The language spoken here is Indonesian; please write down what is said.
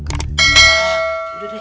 ya udah deh